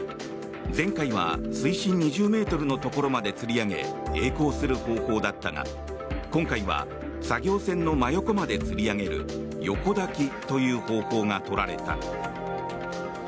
前回は水深２０ｍのところまでつり上げえい航する方法だったが今回は作業船の真横までつり上げる横抱きという方法が取られた。